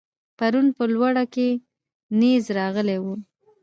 پرون په لوړه کې نېز راغلی و.